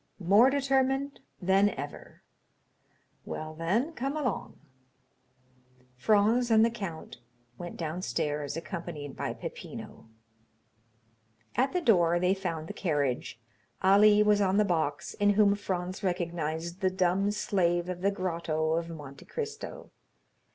"More determined than ever." "Well, then, come along." Franz and the count went downstairs, accompanied by Peppino. At the door they found the carriage. Ali was on the box, in whom Franz recognized the dumb slave of the grotto of Monte Cristo.